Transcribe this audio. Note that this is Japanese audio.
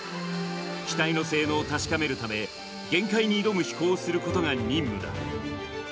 機体の性能を確かめるため、限界に挑む飛行をすることが任務だ。